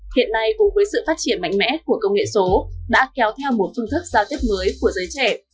hiện nay cùng với sự phát triển mạnh mẽ của công nghệ số đã kéo theo một phương thức giao tiếp mới của giới trẻ